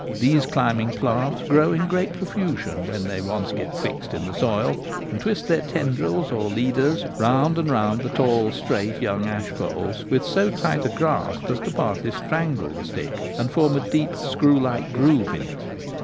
These climbing plants grow in great profusion when they once get fixed in the soil, and twist their tendrils or ' leaders ' round and round the tall, straight, young ash poles with so tight a grasp as to partly strangle the stick and form a deep screw like groove in it.